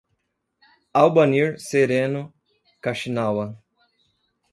Albanir Sereno Kaxinawa